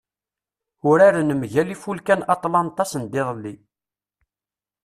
Uraren mgal Ifulka n Atlanta sendiḍelli.